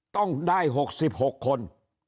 ต้องได้หกสิบหกคน